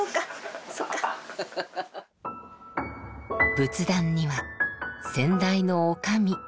仏壇には先代の女将。